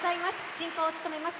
進行を務めます